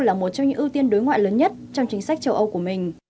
là một trong những ưu tiên đối ngoại lớn nhất trong chính sách châu âu của mình